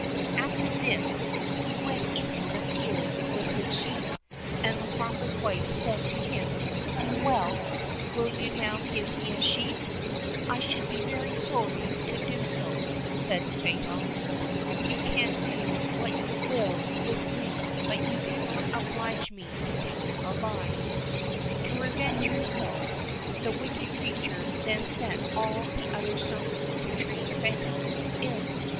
After this, he went into the fields with his sheep, and the farmer's wife said to him, "Well! will you now give me a sheep?" "I should be very sorry to do so," said Fatal; "you can do what you will with me, but you cannot oblige me to tell a lie." To revenge herself, the wicked creature then set all the other servants to treat Fatal ill.